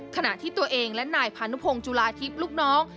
ขณะที่ตัวเองและนายพานุพงศ์จุลาทิพย์ลูกน้อง